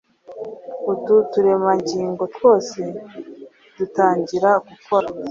Utu turemangingo twose dutangira gukora